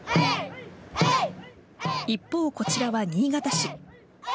一方、こちらは新潟市。